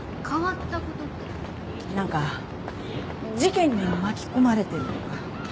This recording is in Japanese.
何か事件に巻き込まれてるとか。